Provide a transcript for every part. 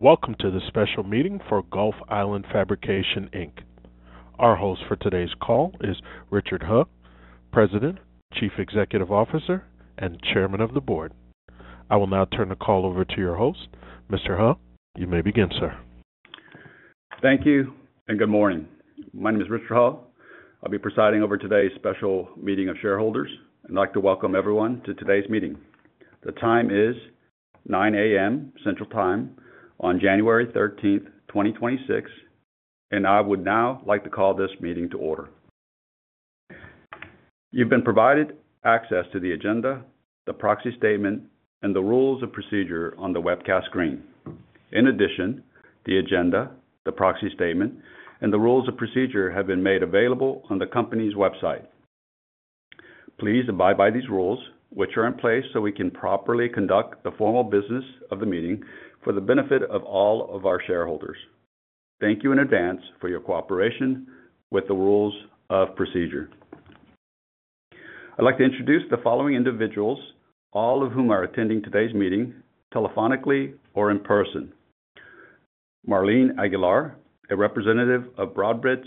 Welcome to the special meeting for Gulf Island Fabrication, Inc. Our host for today's call is Richard Heo, President, Chief Executive Officer, and Chairman of the Board. I will now turn the call over to your host, Mr. Heo. You may begin, sir. Thank you, and good morning. My name is Richard Heo. I'll be presiding over today's special meeting of shareholders, and I'd like to welcome everyone to today's meeting. The time is 9:00 A.M. Central Time on January 13th, 2026, and I would now like to call this meeting to order. You've been provided access to the agenda, the proxy statement, and the rules of procedure on the webcast screen. In addition, the agenda, the proxy statement, and the rules of procedure have been made available on the company's website. Please abide by these rules, which are in place so we can properly conduct the formal business of the meeting for the benefit of all of our shareholders. Thank you in advance for your cooperation with the rules of procedure. I'd like to introduce the following individuals, all of whom are attending today's meeting telephonically or in person: Marlene Aguilar, a representative of Broadridge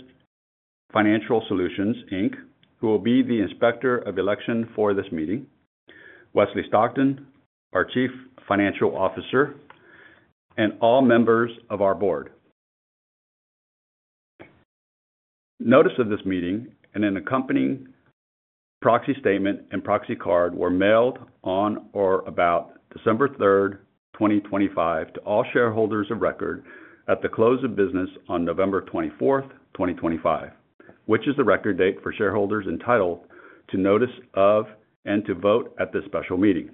Financial Solutions, Inc., who will be the inspector of election for this meeting. Wesley Stockton, our Chief Financial Officer. And all members of our board. Notice of this meeting and an accompanying proxy statement and proxy card were mailed on or about December 3rd, 2025, to all shareholders of record at the close of business on November 24th, 2025, which is the record date for shareholders entitled to notice of and to vote at this special meeting.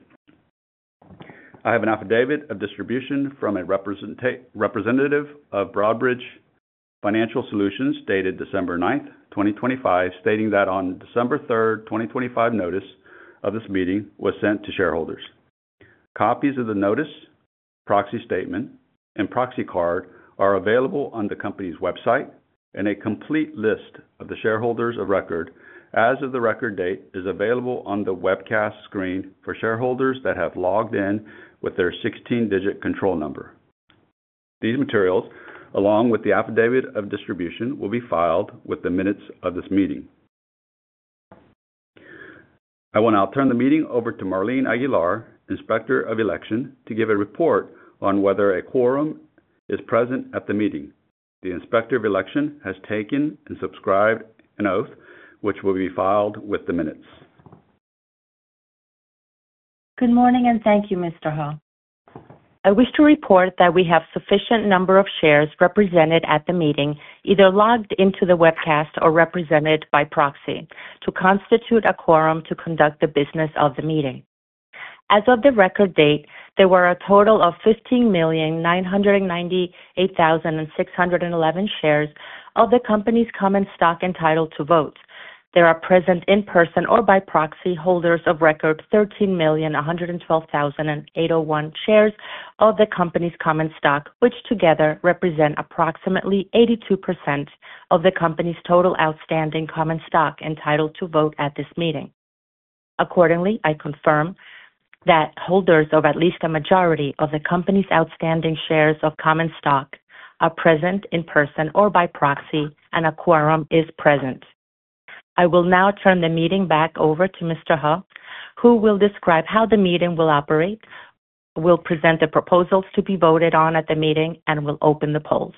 I have an affidavit of distribution from a representative of Broadridge Financial Solutions dated December 9th, 2025, stating that on December 3rd, 2025, notice of this meeting was sent to shareholders. Copies of the notice, proxy statement, and proxy card are available on the company's website, and a complete list of the shareholders of record as of the record date is available on the webcast screen for shareholders that have logged in with their 16-digit control number. These materials, along with the affidavit of distribution, will be filed with the minutes of this meeting. I will now turn the meeting over to Marlene Aguilar, Inspector of Election, to give a report on whether a quorum is present at the meeting. The Inspector of Election has taken and subscribed an oath, which will be filed with the minutes. Good morning, and thank you, Mr. Heo. I wish to report that we have a sufficient number of shares represented at the meeting, either logged into the webcast or represented by proxy, to constitute a quorum to conduct the business of the meeting. As of the record date, there were a total of 15,998,611 shares of the company's common stock entitled to vote. There are present in person or by proxy holders of record 13,112,801 shares of the company's common stock, which together represent approximately 82% of the company's total outstanding common stock entitled to vote at this meeting. Accordingly, I confirm that holders of at least a majority of the company's outstanding shares of common stock are present in person or by proxy, and a quorum is present. I will now turn the meeting back over to Mr. Heo, who will describe how the meeting will operate, will present the proposals to be voted on at the meeting, and will open the polls.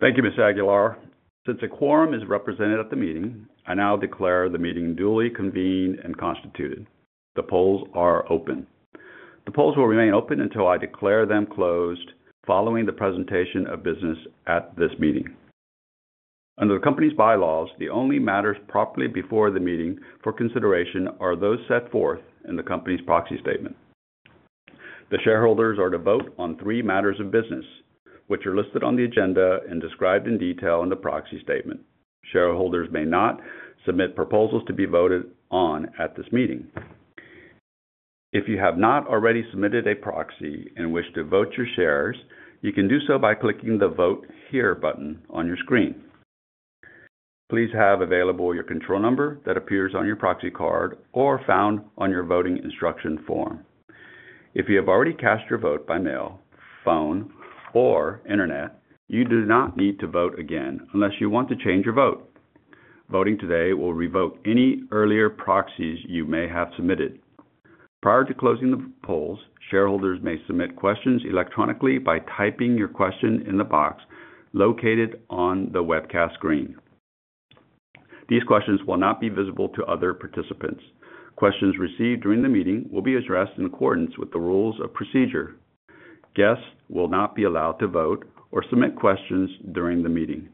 Thank you, Ms. Aguilar. Since a quorum is represented at the meeting, I now declare the meeting duly convened and constituted. The polls are open. The polls will remain open until I declare them closed following the presentation of business at this meeting. Under the company's bylaws, the only matters properly before the meeting for consideration are those set forth in the company's proxy statement. The shareholders are to vote on three matters of business, which are listed on the agenda and described in detail in the proxy statement. Shareholders may not submit proposals to be voted on at this meeting. If you have not already submitted a proxy and wish to vote your shares, you can do so by clicking the Vote Here button on your screen. Please have available your control number that appears on your proxy card or found on your voting instruction form. If you have already cast your vote by mail, phone, or internet, you do not need to vote again unless you want to change your vote. Voting today will revoke any earlier proxies you may have submitted. Prior to closing the polls, shareholders may submit questions electronically by typing your question in the box located on the webcast screen. These questions will not be visible to other participants. Questions received during the meeting will be addressed in accordance with the rules of procedure. Guests will not be allowed to vote or submit questions during the meeting.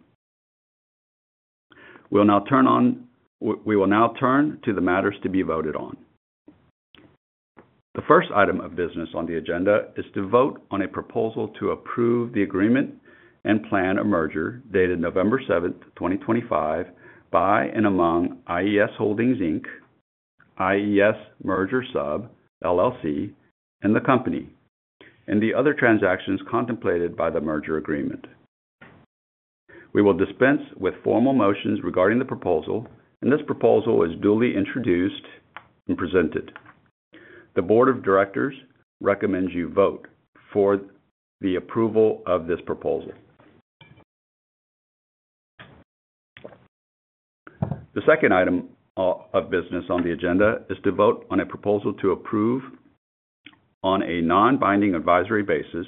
We will now turn to the matters to be voted on. The first item of business on the agenda is to vote on a proposal to approve the agreement and plan of merger dated November 7th, 2025, by and among IES Holdings, Inc., IES Merger Sub, LLC, and the company, and the other transactions contemplated by the merger agreement. We will dispense with formal motions regarding the proposal, and this proposal is duly introduced and presented. The board of directors recommends you vote for the approval of this proposal. The second item of business on the agenda is to vote on a proposal to approve on a non-binding advisory basis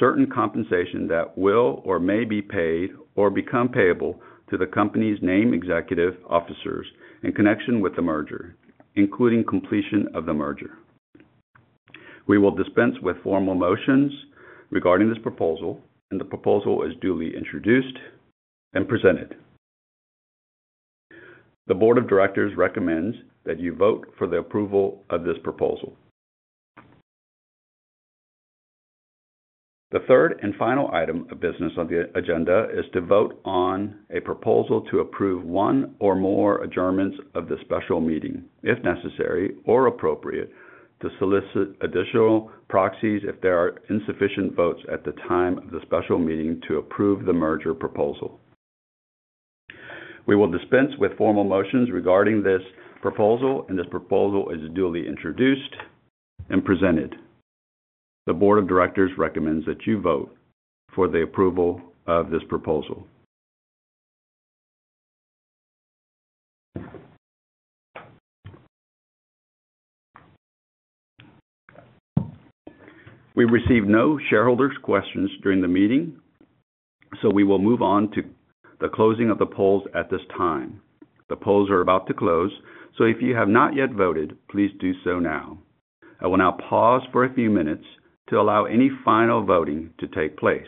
certain compensation that will or may be paid or become payable to the company's named executive officers in connection with the merger, including completion of the merger. We will dispense with formal motions regarding this proposal, and the proposal is duly introduced and presented. The board of directors recommends that you vote for the approval of this proposal. The third and final item of business on the agenda is to vote on a proposal to approve one or more adjournments of the special meeting, if necessary or appropriate, to solicit additional proxies if there are insufficient votes at the time of the special meeting to approve the merger proposal. We will dispense with formal motions regarding this proposal, and this proposal is duly introduced and presented. The board of directors recommends that you vote for the approval of this proposal. We received no shareholders' questions during the meeting, so we will move on to the closing of the polls at this time. The polls are about to close, so if you have not yet voted, please do so now. I will now pause for a few minutes to allow any final voting to take place.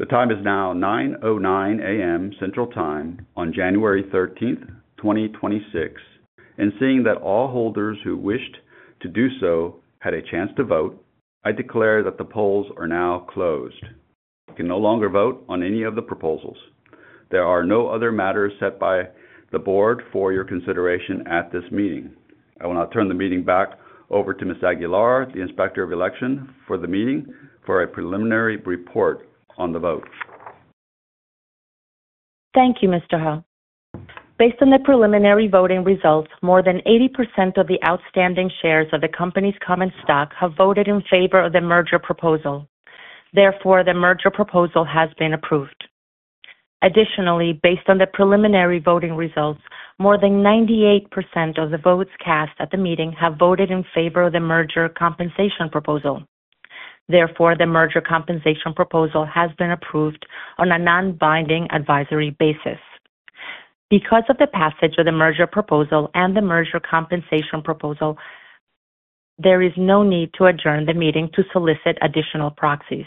The time is now 9:09 A.M. Central Time on January 13th, 2026, and seeing that all holders who wished to do so had a chance to vote, I declare that the polls are now closed. You can no longer vote on any of the proposals. There are no other matters set by the board for your consideration at this meeting. I will now turn the meeting back over to Ms. Aguilar, the Inspector of Election, for the meeting for a preliminary report on the vote. Thank you, Mr. Heo. Based on the preliminary voting results, more than 80% of the outstanding shares of the company's common stock have voted in favor of the merger proposal. Therefore, the merger proposal has been approved. Additionally, based on the preliminary voting results, more than 98% of the votes cast at the meeting have voted in favor of the merger compensation proposal. Therefore, the merger compensation proposal has been approved on a non-binding advisory basis. Because of the passage of the merger proposal and the merger compensation proposal, there is no need to adjourn the meeting to solicit additional proxies.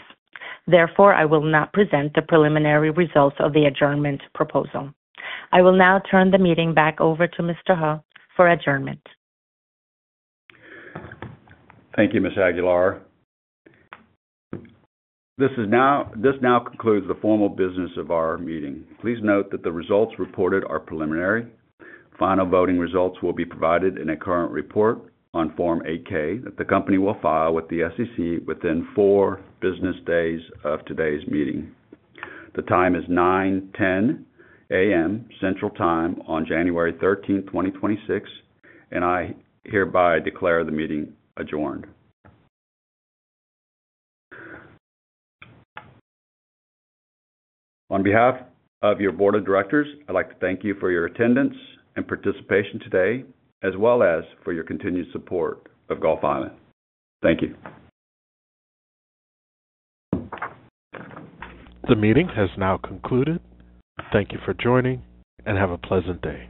Therefore, I will not present the preliminary results of the adjournment proposal. I will now turn the meeting back over to Mr. Heo for adjournment. Thank you, Ms. Aguilar. This now concludes the formal business of our meeting. Please note that the results reported are preliminary. Final voting results will be provided in a current report on Form 8-K that the company will file with the SEC within four business days of today's meeting. The time is 9:10 A.M. Central Time on January 13th, 2026, and I hereby declare the meeting adjourned. On behalf of your board of directors, I'd like to thank you for your attendance and participation today, as well as for your continued support of Gulf Island. Thank you. The meeting has now concluded. Thank you for joining, and have a pleasant day.